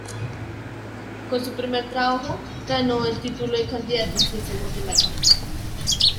Con su primer trabajo, ganó el título de candidato en ciencias matemáticas.